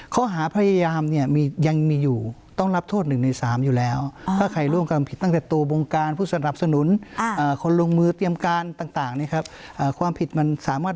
ข้อหาพยายามอยังมีอยู่ต้องรับโทษหนึ่งในสาม